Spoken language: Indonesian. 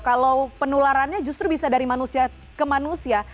kalau penularannya justru bisa dari manusia ke manusia